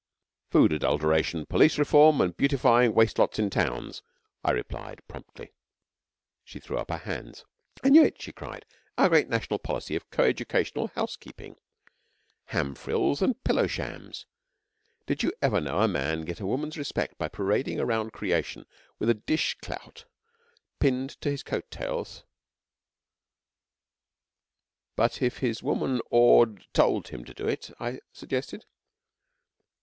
'Food adulteration, police reform, and beautifying waste lots in towns,' I replied promptly. She threw up her hands. 'I knew it!' she cried. 'Our great National Policy of co educational housekeeping! Ham frills and pillow shams. Did you ever know a man get a woman's respect by parading around creation with a dish clout pinned to his coat tails?' 'But if his woman ord told him to do it?' I suggested.